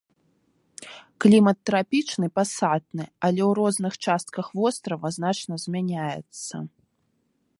Клімат трапічны пасатны, але ў розных частках вострава значна змяняецца.